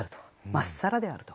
まっさらであると。